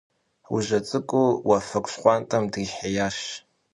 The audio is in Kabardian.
Ужьэ цӀыкӀур уафэгу щхъуантӀэм дрихьеящ.